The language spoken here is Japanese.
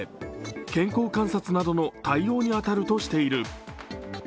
健康観察などの対応に当たるとしている。